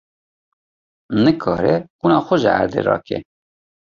Nikare qûna xwe ji erdê rake.